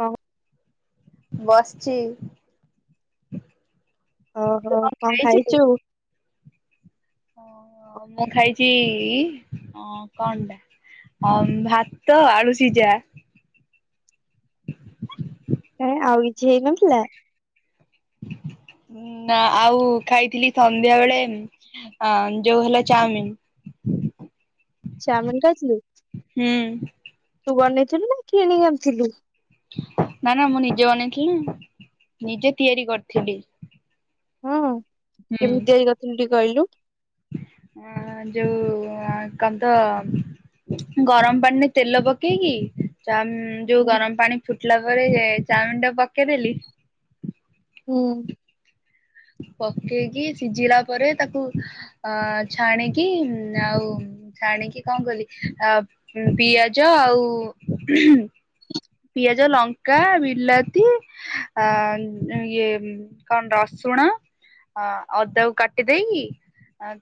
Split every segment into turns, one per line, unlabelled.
ହୋଉ।
ବସିଛି।
ଓହୋ କଣ ଖାଇଛୁ?
ଓ ମୁଁ ଖାଇଛି ଅ କଣ ଟା? ଅମ୍ ଭାତ ଆଳୁ ସିଜା।
ଏଁ ଆଉ କିଛି ହେଇ ନଥିଲା?
ହ ନା ଆଉ ଖାଇଥିଲି ସନ୍ଧ୍ୟା ବେଳେ ଆଁ ଯୋଉ ହେଲା ଚାଉମିନ୍। ହୁଁ
ଚାଉମିନ ଖାଇଥିଲୁ।
ହୁଁ।
ତୁ ବନେଇ ଥିଲୁ ନା କିଣି ଆଣିଥିଲୁ?
ନା ନା ମୁଁ ନିଜେ ବନେଇଥିଲି ନିଜେ ତିଆରି କରିଥିଲି।
ହଁ କେମିତି ତିଆରି କରିଥିଲୁ ଟିକେ କହିଲୁ?
ଅ ଯୋଉଁ କଣ ତ ଗରମ ପାଣିରେ ତେଲ ପକେଇକି ଚାଉ ଯୋଉଁ
ହୁଁ
ଗରମ ପାଣି ଫୁଟିଲା ପରେ ଚାଉମିନ ଟା ପକେଇଦେଲି।
ହୁଁ।
ପକେଇକି ସିଝିଲା ପରେ ତାକୁ ଅ ଛାଣିକି ଆଉ ଛାଣିକି କଣ କଲି ଆ ପିଆଜ ଆଉ ପିଆଜ ଲଙ୍କା ବିଲାତି ଆ ଇଏ କଣ ରସ ଶୁଣ ଅଦାକୁ କାଟି ଦେଇକି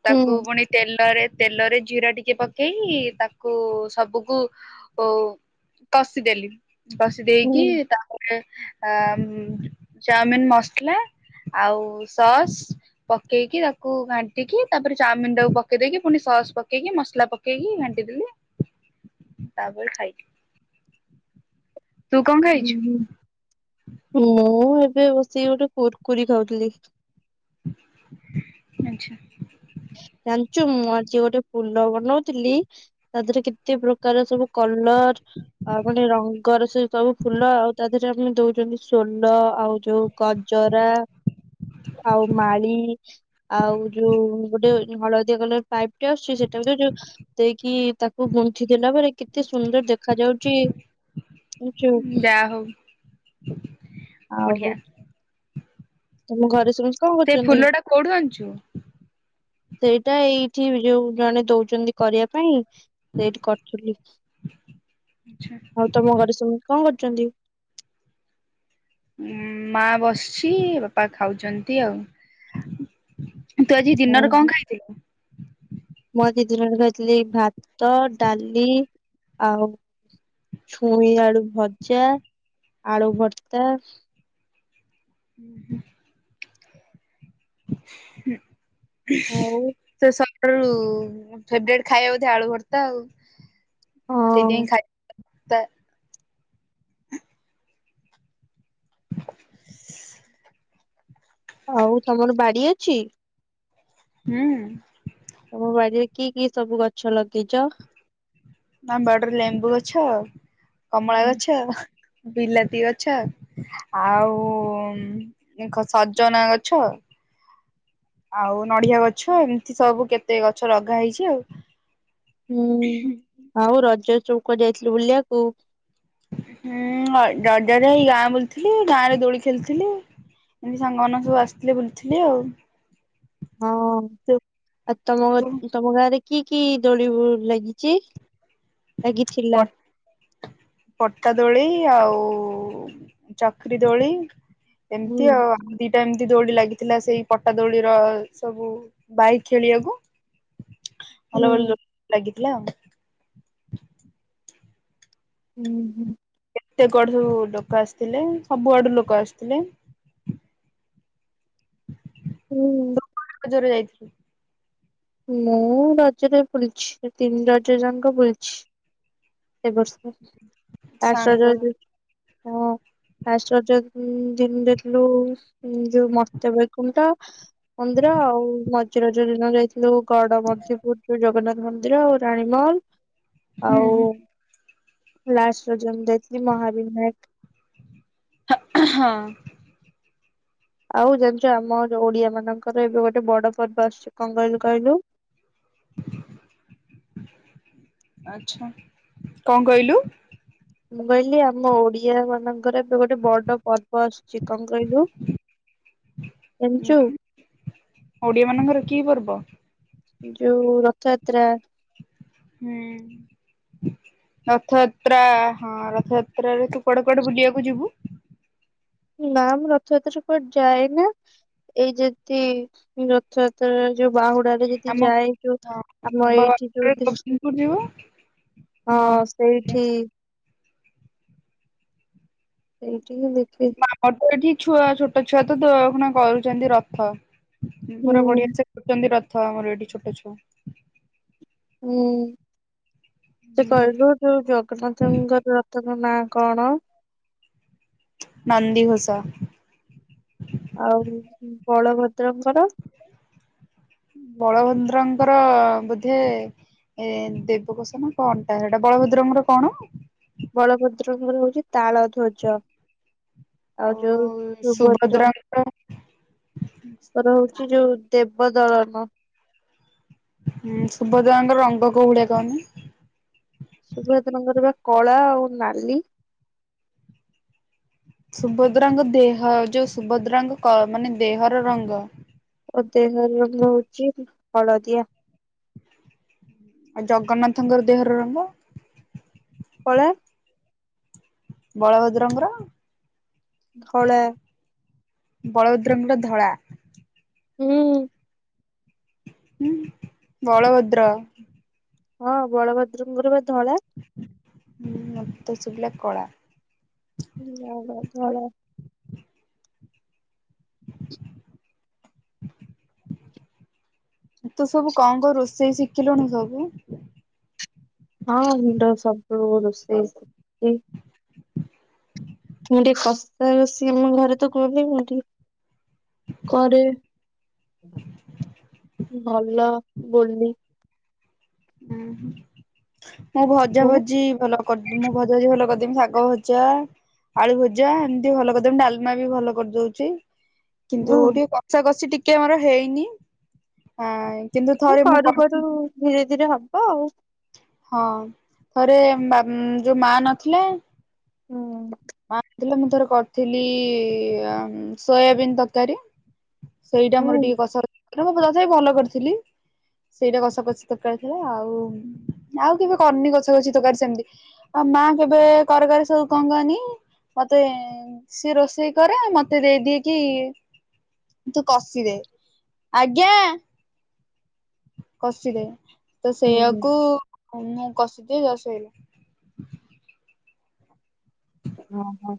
ହୁଁ
ତାକୁ ପୁଣି ତେଲରେ ତେଲରେ ଜିରା ଟିକେ ପକେଇ ତାକୁ ସବୁକୁ ଓ କଷିଦେଲି କଷି
ହୁଁ
ଦେଇକି ତାପରେ ଆ ଚାଉମିନ ମସଲା ଆଉ ସସ୍ ପକେଇକି ତାକୁ ଘାଣ୍ଟିକି ତାପରେ ଚାଉମିନ ଟାକୁ ପକେଇ ଦେଇକି ପୁଣି ସସ ପକେଇକି ମସଲା ପକେଇକି ଘାଣ୍ଟି ଦେଲି। ତାପରେ ଖାଇଲି। ତୁ କଣ
ହଁ
ଖାଇଛୁ
ହଁ ମୁଁ ଏବେ ଏବେ ବସିକି ଗୋଟେ କୁର୍କୁୀ ଖାଉଥିଲି।
ଆଛା।
ଜାଣିଛୁ ମୁଁ ଆଜି ଗୋଟେ ଫୁଲ ବନଉଥିଲି ତା ଦେହରେ କେତେ ପ୍ରକାର ସବୁ କଲର ଆଉ [unintelligible] ରଙ୍ଗରେ ସେ ସବୁ ଫୁଲ ଆଉ ତା ଦେହରେ ଆମ ଦଉଛନ୍ତି ସୋଲ ଆଉ ଯୋଉଁ ଗଜରା ଆଉ ମାଳି ଆଉ ଯୋଉଁ ଗୋଟେ ହଳଦିଆ କଲର ପାଇପ ଟା ଆସୁଛି ସେଟା ଦୋଉଚୁ ଦେଇକି ତାକୁ ଗୁନ୍ଠି ଦେଲା ପରେ କେତେ ସୁନ୍ଦର ଦେଖା ଯାଉଛି।
ହଁ।
ଆଛା।
ବଢ଼ିଆ।
ତମ ଘରେ ସମସ୍ତେ କଣ କରୁଛନ୍ତି?
ଫୁଲ ଟା କୋଉଠୁ ଆଣିଛୁ
ସେଇଟା ଏଇ ଏଠି ଯୋଉଁ ଜଣେ ଦଉଛନ୍ତି କରିବା ପାଇଁ ସେଇଠି କରିଥିଲି
ଆଛା
ଆଉ ତମ ଘରେ ସବୁ କଣ କର ଚନ୍ତି।
ଉ ମା ବସିଛି ବାପା ଖାଉଛନ୍ତି ଆଉ। ତୁ ଆଜି ଦିନରେ
ଓହୋ
କଣ ଖାଇଥିଲୁ?
ମୁଁ ଆଜି ଦିନରେ ଖାଇଥିଲି ଭାତ ଡାଲି ଆଉ ଛୁଇଁଆଳୁ ଭଜା ଆଳୁ ଭର୍ତ୍ତା।
ହୁଁ ହ।
ଆଉ
ସ। ଫେବ୍ରେଟ ଖାଇବା ବୋଧେ ଆଳୁ ଭର୍ତ୍ତା ଆଉ
ହଁ
ସେଇଥିପାଇଁ ଖାଇବା ତ
ଆଉ ତମର ବାଡ଼ି ଅଛି?
ହୁଁ।
ତମ ବାଡିରେ କି କି ସବୁ ଗଛ ଲଗେଇଚ?
ନା ବାଡିରେ ଲେମ୍ବୁ ଗଛ କମଳା
ହୁଁ
ଗଛ। ବିଲାତି ଗଛ ଆଉ ଖ ସଜନା ଗଛ। ଆଉ ନଡ଼ିଆ ଗଛ ଏମିତି ସବୁ କେତେ ଗଛ ଲଗା ହେଇଛି ଆଉ।
ହୁଁ ଆଉ ରଜ ଚୌକ ଯାଇଥିଲୁ ବୁଲିବାକୁ?
ହୁଁ ର ଜଜ ରେ ଗାଁ ବୁଲଥିଲି ଗାଁରେ ଦୋଳି ଖେଳିଥିଲି। ଏମତି ସାଙ୍ଗ ମାନେ ସବୁ ଆସିଥିଲେ ବୁଲଥିଲି ଆଉ।
ହଁ
ତୁ
ଆଉ ତମ
ତୁ
ତମ ଗାଁରେ କି କି ଦୋଳିିବୁ ଲାଗିଚି?
ପର୍ ପଟା ଦୋଳି ଆଉ ଉ ଚକ୍ରି ଦୋଳି
ହୁଁ
ଏମତି ଆଉ ଆମ ଦିଟା ଏମତି। ଦଉଡି ଲାଗିଥିଲା ସେଇ ପଟା ଦୋଳିର ସବୁ ବାହି ଖେଳିବାକୁ। ଭଲ
ହୁଁ
ଭଲ ଲାଗିଥିଲା ଆଉ।
ଉଁ ହୁଁ।
ତେ କୁଆଡୁ ସବୁ ଲୋକ ଆସିଥିଲେ ସବୁଆଡୁ ଲୋକ ଆସିଥିଲେ।
ହୁଁ।
ଜରରେ ଯାଇଥିଲି।
ମୁଁ ରଜରେ ବୁଲିଛି ତିନି ରଜ ଯାଙ୍କ ବୁଲିଛି। ଏବର୍ଷ ଆସ
ସାଙ୍ଗ
ଯାଇକି। ଫାଷ୍ଟ ରଜ ଦିନ୍ ଯାଇଥିଲୁ ଯୋଉ ମର୍ତ୍ତ୍ୟ ବଇକୁଣ୍ଟ। ମନ୍ଦିର ଆଉ ମଝି ରଜ ଦିନ ଯାଇଥିଲୁ ଗଡମଧୁପୁର ଯୋଉ ଜଗନ୍ନାଥ ମନ୍ଦିର ଆଉ ରାଣୀ ମହଲ
ହୁଁ
ଆଉ
ହୁଁ
ଲାଷ୍ଟ ରଜ ଦିନ ଯାଇଥିଲି ମହାବିିନାୟକ।
ହଁ ଏ ହଁ।
ଆଉ ଜାଣିଚୁ ଆମ ଯୋଉ ଓଡ଼ିଆ ମାନଙ୍କର ଏବେ ଗୋଟେ ବଡ ପର୍ବ ଆସୁଚି କଣ କହିଲୁ କହିଲୁ
ଆଛା କଣ କହିଲୁ?
ମୁଁ କହିଲି ଆମ ଓଡିଆ ମାନଙ୍କର ଏବେ ଗୋଟେ ବଡ ପର୍। ବସ୍ ଚି କଣ କହିଲୁ? ଜାଣିଛୁ
ଓଡିଆ ମାନଙ୍କର କି ପର୍ବ?
ଯୋଉ ରଥଯାତ୍ରା।
ହୁଁ। ରଥଯାତ୍ରା ହଁ ରଥଯାତ୍ରାରେ, ତୁ କୁଆଡେ କୁଆଡେ ବୁଲିବାକୁ ଯିବୁ?
ନା ମୁଁ ରଥଯାତ୍ରାରେ କୁଆଡେ ଯାଏନା। ଏଇ ଯେଦି ରଥଯାତ୍ରାରେ ଯୋଉ ବାହୁଡା ରେ ଯେଦି
ଆମ
ଯାଏ ଯୋଉ ଆମ
ହଁ
ଏଇଠି ଯୋଉ ଦିସ୍
ଗୋବିନ୍ଦପୁର ଯିବୁ
ହଁ
ନହ
ସେଇଠି। ସେଇଠି ହିଁ ଦେଖେ।
ଆମର ତ ଏଠି ଛୁଆ ଛୋଟ ଛୁଆ ତ ଦେଏଖୁନା କରୁଚନ୍ତି ରଥ
ହୁଁ
ପୁରା ବଢିଆ ସେ କରୁଚନ୍ତି ର ଥ ଆମର ଏଠି ଛୋଟ ଛୁଆ।
ହୁଁ ସେ କହିଲୁ ଯୋଉ ଜଗନ୍ନାଥଙ୍କର ରଥର ନାଁ। କଣ?
ନନ୍ଦିଘୋଷ।
ଆଉ ବଳଭଦ୍ରଙ୍କର?
ବଳଭଦ୍ରଙ୍କର ବୋଧେ ଏ ଦେବକୋଷ ନା କଣଟା ସେଇଟା ବଳଭଦ୍ରଙ୍କର କଣ?
ବଳଭଦ୍ରଙ୍କର ହଉଚି ତାଳଧ୍ୱଜ ଆଉ ଯୋଉ ସୁଭଦ୍ରା?
ସୁଭଦ୍ରାଙ୍କର
ରହୁଚି ଯୋଉ ଦେବଦଳନ।
ହୁଁ ସୁଭଦ୍ରାଙ୍କର ରଙ୍ଗ କୋଉଭଳିଆ କହନି?
ସୁଭଦ୍ରଙ୍କର ବା କଳା ଆଉ ନାଲି।
ସୁଭଦ୍ରାଙ୍କ ଦେହ ଯୋଉ ସୁଭଦ୍ରାଙ୍କ କ ମାନେ ଦେହର ରଙ୍ଗ?
ଓ ଦେହର ରଙ୍ଗ ହଉଚି ଉଁ ହଳଦିଆ।
ଆଉ ଜଗନ୍ନାଥଙ୍କର ଦେହର ରଙ୍ଗ?
କଳା।
ବଳଭଦ୍ରଙ୍କର?
ଧଳା।
ବଳଭଦ୍ରଙ୍କର ଧଳା।
ହୁଁ।
ହୁଁ ବଳଭଦ୍ର।
ହଁ ବଳଭଦ୍ରଙ୍କର ବା ଧଳା।
ମତ ଶୁବିଲା କଳା।
ନା ନା ଧଳା।
ତୁ ସବୁ କଣ କ ରୋଷେଇ ଶିଖିଲୁଣି ସବୁ?
ହଁଣ୍ଡ ସବୁ ରୋଷେଇ ଶିଖିଚି। ମୁଁ ଟିକେ କସା ରୋଷେଇ ଆମ ଘରେ ତ କୁହନ୍ତିି ମୁଁ ଟିକେ କରେ। ଭଲ ବୋଲି।
ହୁଁ ମୁଁ ଭଜା
ତୁ
ଭଜି ଭଲ କରି ମୁଁ ଭଜା ଭଜି ଭଲ କରିଦି ମୁ ଶାଗ ଭଜା, ଆଳୁ ଭଜା ଏମିତି ଭଲ କରିଦେମି ଡାଲମା ବି ଭଲ କରିଦଉଛି। କିନ୍ତୁ
ମୁଁ
ଟିକେ କଷା କଷି ଟିକେ ଆମର ହେଇନି ଆ କିନ୍ତୁ ଥରେ ମୁଁ କରିଥିଲି।
ଧିରେ ହବ ଆଉ।
ହଁ ଥରେ ଯୋଉ ମା ନଥିଲା
ହୁଁ।
ମା ନ ଥିଲା ମୁଁ ଥରେ କରିଥିଲି ସୋୟାବିନ୍ ତରକାରୀ। ସେଇଟା ମୋର
ହୁଁ
ଟିକେ କସ କ ମୁଁ ତଥାପି ଭଲ କରିଥିଲି। ସେଇଟା କସର କଷି ତରକାରୀ ଥିଲା ଆଉ ଆଉ କେବେ କରନି କସା କଷି ତରକାରୀ ସେମିତି। ମା କେବେ କର କରି ସବୁ ଙ୍କ କନି ମତେ ସିଏ ରୋଷେଇ କରେ ମତେ ଦେଇ ଦିଏ କି ତୁ କସିଦେ ଆଜ୍ଞା। କସିିଦେ। ତ
ହୁଁ।
ସେଇଆକୁ ମୁଁ କସି ଦସେଇଲା।
ହ ହ।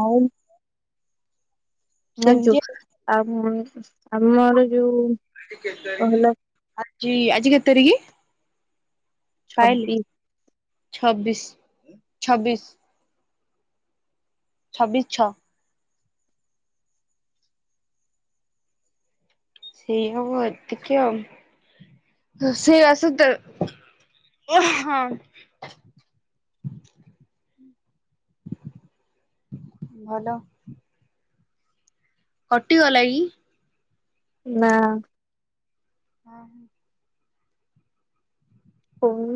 ହଉ ଜାଣିଛୁ
ସେମିତି ଆଉ।
ଆଉ ଆମର ଯୋଉ ହେଲା
ଆଜି ଆଜି କେତେ ତାରିଖ? ପାଇଲି
ଛବି
ଛବିଶ ଛବିଶ। ଛବିଶ ଛଅ। ସେଇ ହବ ଏତିକିଆଉ। ସେଇ ଆସେ ତ [unintelligible] ହଁ। ହୁଁ [unintelligible] ଭଲ। କଟିଗଲା କି?
ନାଁ।
ହଁ।
ହଉ।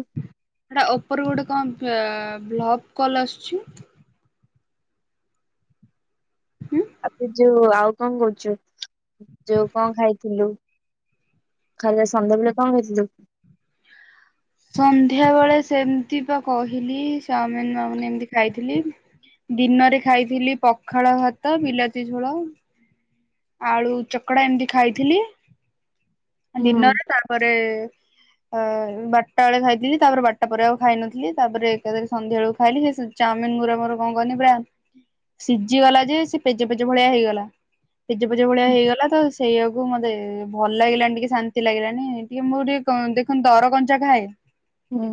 ସେଟା ଉପର ଗୋଟେ କଣ ଅ ବ୍ଲକ୍ କଲ ଆସୁଛି? ହୁଁ।
ଆବେ ଯୋଉ ଆଉ କଣ କରୁଛୁ ଯୋଉ କଣ ଖାଇଥିଲୁ? ଖାଇବା ସନ୍ଧ୍ୟାବେଳେ କଣ ଖାଇଥିଲୁ?
ସନ୍ଧ୍ୟା ବେଳେ ସେମିତି ବା କହିଲି ଚାଉମିିନ ବାଉମିନ ଏମିତି ଖାଇଥିଲି। ଦିନରେ ଖାଇଥିଲି ପଖାଳ ଭାତ ବିଲାତି ଝୋଳ। ଆଳୁ ଚକଡା ଏମିତି ଖାଇଥିଲି।
ହୁଁ
ଦିନରେ ତାପରେ ଅ ବାରଟାବେଳେ ଖାଇଥିଲି ତାପରେ ବାରଟା ପରେ ଆଉ ଖାଇନଥିଲି ତାପରେ ଏକାଥରେ ସନ୍ଧ୍ୟାବେଳକୁ ଖାଇଲି। ସେ ଚା ଚାଉମିିନ ଗୁରା ମୋର କଣ କହନି ପୁରା ସିଝିଗଲାଜେ ସେ ପେଜ ପେଜ ଭଳିଆ ହେଇଗଲା ପେଜ ପେଜ ଭଳିଆ ହେଇଗଲା ତ ସେଇଆକୁ ମତେ ଭଲ ଲାଗିଲାନି ଟିକେ ଶାନ୍ତି ଲାଗିଲାନି ଟିକେ ମୋର ଟିକେ ଦେଖିନୁ ଦର କଞ୍ଚା ଖାଏ।
ହୁଁ।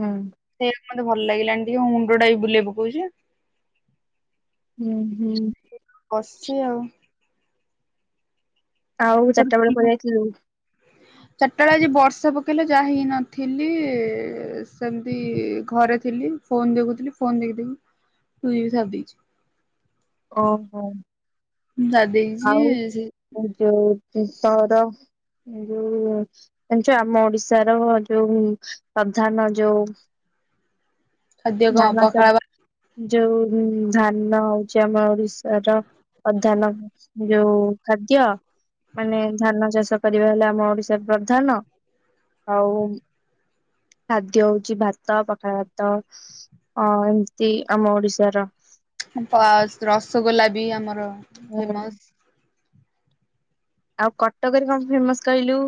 ମତେ ସେଇଆକୁ ଭଲ ଭଲଲାଗିଲାନି ଟିକେ ମୋ ମୁଣ୍ଡ ଟା ବି ବୁଲେଇ ପକଉଛି
ହୁଁ। ହୁଁ
ବସଛି ଆଉ।
ଆଉ ଚାରିଟା ବେଳେ କୁଆଡେ
[unintelligible] ଚାରିଟାବେଳେ
ଯାଇଥିଲୁ?
ଆଜି ବର୍ଷା ବର୍ଷା ପକେଇଲା ଯହିଁନଥିଲି ସେମିତି ଘରେ ଥିଲି ଫୋନ୍ ଦେଖୁଥିଲି। ଫୋନ ଦେଖି ଦେଖି ଟୁ ଜିବି ସାରିଦେଇଛି।
ଓହୋ
ସାରି ଦେଇଛି
ଆଉ
ସେ
ଯୋଉ ତୋର ଯୋଉ ଜଣିଛୁ ଆମ ଓଡିଶାର ଯୋଉ ପ୍ରଧାନ ଯୋଉ
ଖାଦ୍ୟ କଣ
ଧାନ
ପଖାଳ ବା
ଯୋଉ ଧାନ ହଉଛି ଆମ ଓଡ଼ିଶାର ପ୍ରଧାନ ଯୋଉ ଖାଦ୍ୟ ମାନେ ଧାନ ଚାଷ କରିବା ହେଲେ, ଆମ ଓଡ଼ିଶାର ପ୍ରଧାନ ଆଉ ଖାଦ୍ୟ ହଉଛିି ଭାତ ପଖାଳ ଭାତ ହଁ ଏମିତି ଆମ ଓଡିଶାର।
ରସଗୋଲା ବି ଆମର
ହୁଁ
ଫେମସ
ଆଉ କଟକରେ କଣ ଫେମସ କହିଲୁ?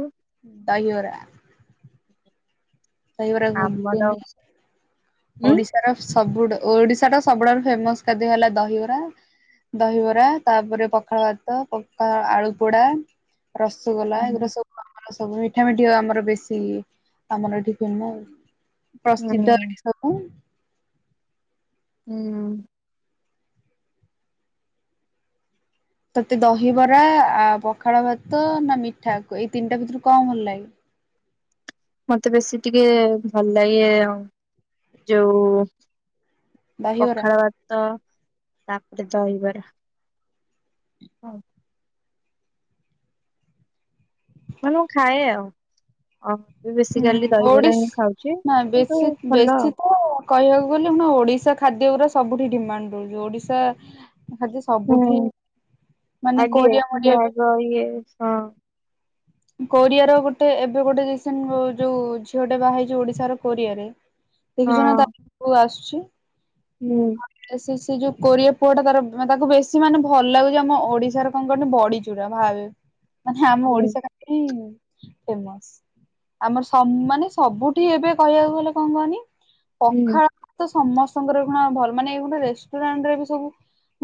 ଦହିବରା। ଦହିବରା
ଆମର
ଘୁଗୁନି
ଉଁ
ଓଡ଼ିଶାର ସବୁଠୁ ଓଡ଼ିଶାର ସବୁଠାରୁ ଫେମସ ଖାଦ୍ୟ ହେଲା ଦହିବରା ଦହିବରା ତାପରେ ପଖାଳ ଭାତ ପକା ଆଳୁ ପୋଡା ରସଗୋଲା ଏଗୁଡା ସବୁ ଆମର ସବୁ ମିଠା ମିଠି ଆମର ବେଶୀ ଆମର ଏଠି ତୁମ ପ୍ରସିଦ୍ଧ
ହୁଁ
ଏସବୁ
ହୁଁ।
ତତେ ଦହିବରା ଆ ପଖାଳ ଭାତ ନା ମିଠା ଏଇ ତିନିଟା ଭିତରୁ କଣ ଭଲ ଲାଗେ?
ମତେ ବେଶୀ ଟିକେ ଭଲ ଲାଗେ ଯୋଉ
ଦହିବରା
ପଖାଳ ଭାତ ତାପରେ ଦହିବରା। ହଁ। ମାନେ ମୁଁ ଖାଏ ଆଉ ଅବି ବେଶିକାଲି
ହୁଁ
ଦହିବରା
ଓଡିଶ
ହିଁ ଖାଉଛି।
ନା
କିନ୍ତୁ
ବେଶୀ
ଭଲ।
ବେଶୀ ତ କହିବାକୁ ଗଲେ ଓଡିଶା ଖାଦ୍ୟ ଗୁରା ସବୁଠି ଡିମାଣ୍ଡ ରହୁଛି ଓଡିଶା ଖାଦ୍ୟ ସବୁଠି
ହୁଁ
ମାନେ
ଆଗେ
କୋରିଆ
ମୁ
ମୋରିଆ ବି
ଆ ଇଏ ହଁ।
କୋରିଆ ର ଗୋଟେ ଏବେ ଗୋଟେ ରିସେଣ୍ଟ ଯୋଉ ଝିଅଟେ ବାହଇଛି ଓଡିଶାର କୋରିଆରେ ଦେଖିଛ
ହଁ
ତା [unintelligible] ଆସୁଛି
ହୁଁ
ସେ ଯୋଉ କରିବା ପୁଅ ଟା ତାର ତାକୁ ବେଶୀ ମାନେ ଭଲ ଲାଗୁଛି, ଆମ ଓଡିଶାର କଣ କହ ନା ବଡିଚୂରା ଭାବେ ମାନେ ଆମ
ହୁଁ
ଓଡିଶା ଫେମୋସ୍ ଆମର ସ ମାନେ ସବୁଠି ଏବେ କହିବାକୁ ଗଲେ କଣ କହନି
ହୁଁ
ପଖାଳ ତ ସମସ୍ତଙ୍କରଣା ଭଲ ମାନେ ଗୋଟେ ରେଷ୍ଟୁରାଣ୍ଟ ରେ ବି ସବୁ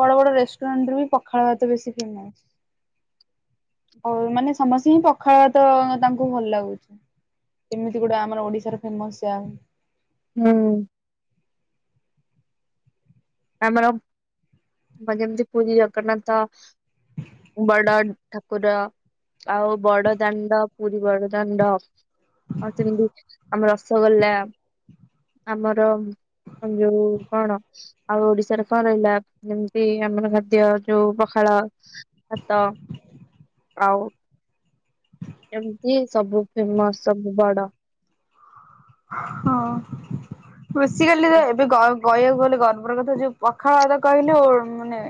ବଡ ବଡ ରେଷ୍ଟୁରାଣ୍ଟରେ ବି ପଖାଳ ଭାତ ବେଶୀ ଫେମସ ହଉ ମାନେ ସମସ୍ତେଙ୍କି ପଖାଳ ଭାତ ତାଙ୍କୁ ଭଲ ଲାଗୁଛି। ଏମିତି ଗୋଟେ ଆମର ଓଡିଶାର ଫେମସ ଚା।
ହୁଁ। ଆମର ଭଯେମିତି ପୁରୀ ଜଗନ୍ନାଥ ବଡ ଠାକୁର ଆଉ ବଡ ଦାଣ୍ଡ ପୁରୀ ବଡ ଦାଣ୍ଡ ଆଉ ସେମିତି ଆମ ରସଗୋଲା ଆମର ଯଉ କଣ ଆଉ ଓଡିଶାରେ କଣ ରହିଲା ଯେମିତି ଆମର ଖାଦ୍ୟ ଯୋଉ ପଖାଳ ଭାତ। ଆଉ। ଏମତି ସବୁ ଫେମସ ସବୁ ବଡ।
ହଁ ଆସିଗଲି ରେ ଏବେ ଘରୁ କହିବାକୁ ଗଲେ ଗର୍ବର କଥା ଯୋଉ ପଖା ତ କହିଲେ ମାନେ